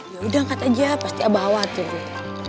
ya udah angkat aja pasti abah awat tuh